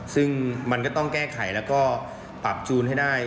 ซึ่งมันก็ต้องแก้ไขแล้วก็ปรับจูนให้ได้